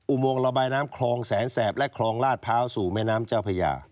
โมงระบายน้ำคลองแสนแสบและคลองลาดพร้าวสู่แม่น้ำเจ้าพญา